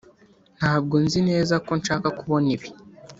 ntabwo nzi neza ko nshaka kubona ibi.